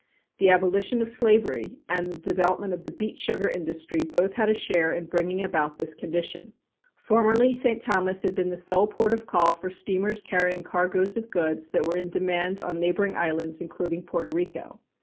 The abolition of slavery and the development of the beet sugar industry both had a share in bringing about this condition. Formerly, St. Thomas had been the sole port of call for steamers carrying cargoes of goods that were in demand on neighboring islands, including Porto Rico.